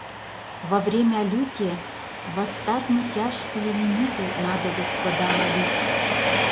Во время люте, в остатню тяжкую минуту надо господа молить.